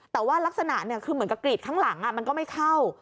แต่ว่ารักษณะคือเหมือนกับกรีดข้างหลังมันก็ไม่เข้า